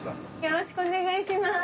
よろしくお願いします。